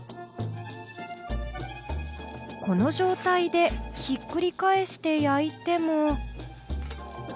この状態でひっくり返して焼いても。